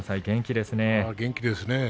元気ですね。